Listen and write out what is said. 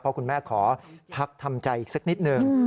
เพราะคุณแม่ขอพักทำใจอีกสักนิดหนึ่ง